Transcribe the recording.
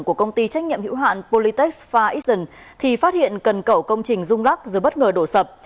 của công ty trách nhiệm hữu hạn politex far eastern thì phát hiện cần cầu công trình rung lắc rồi bất ngờ đổ sập